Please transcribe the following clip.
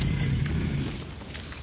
うん。